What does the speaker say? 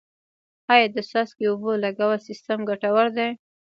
آیا د څاڅکي اوبو لګولو سیستم ګټور دی؟